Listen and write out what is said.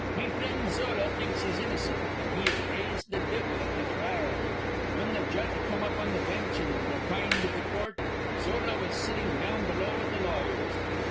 Me frind Zola thinks he's innocint, an' he raised th' divvle at th' thrile. Whin th' judge come up on th' bench an' opined th' coort, Zola was settin' down below with th' lawyers.